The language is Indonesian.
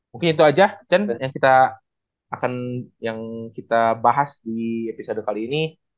mungkin itu aja cen yang kita bahas di episode kali ini